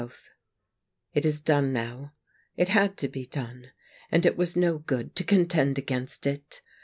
— It is done now. It had to be done, and it was no good to contend against it.